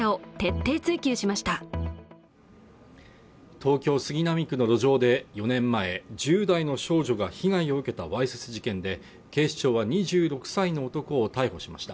東京・杉並区の路上で、４年前、１０代の少女が被害を受けたわいせつ事件で、警視庁は２６歳の男を逮捕しました。